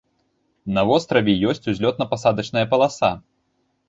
На востраве ёсць узлётна-пасадачная паласа.